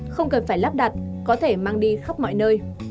không cần phải lắp đặt có thể mang đi khắp mọi nơi